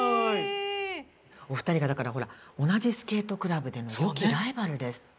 お二人がだからほら同じスケートクラブでの良きライバルですって。